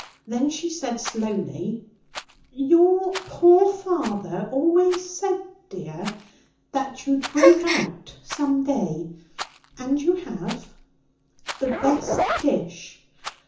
Then she said slowly: 'Your poor father always said, dear, that you'd break out some day. And you have. The best dish!